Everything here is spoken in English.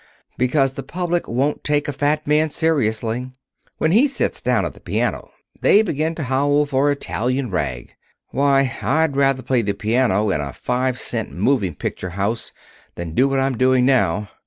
Because the public won't take a fat man seriously. When he sits down at the piano they begin to howl for Italian rag. Why, I'd rather play the piano in a five cent moving picture house than do what I'm doing now.